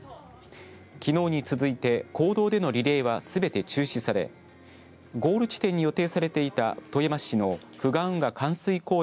きのうに続いて公道でのリレーはすべて中止されゴール地点に予定されていた富山市の富岩運河環水公園